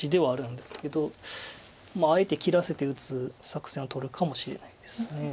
あるんですけどあえて切らせて打つ作戦をとるかもしれないです。